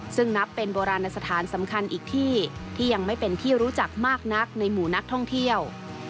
ซึ่งนับเป็นโบราณสถานสำคัญอีกที่ที่ยังไม่เป็นที่รู้จักมากนักในหมู่นักท่องเที่ยว